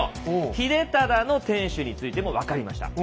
秀忠の天守についても分かりました。